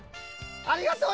ありがとう！